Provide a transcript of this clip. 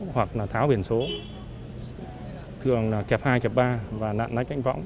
hoặc là tháo biển số thường là kẹp hai kẹp ba và lạng lách đánh võng